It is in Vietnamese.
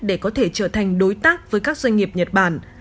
để có thể trở thành đối tác với các doanh nghiệp nhật bản